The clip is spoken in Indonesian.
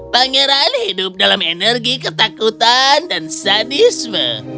pangeran hidup dalam energi ketakutan dan sadisme